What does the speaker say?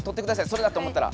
それだって思ったら。